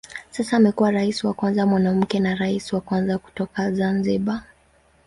Sasa amekuwa rais wa kwanza mwanamke na rais wa kwanza kutoka Zanzibar.